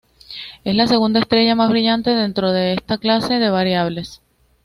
Es la segunda estrella más brillante dentro de esta clase de variables.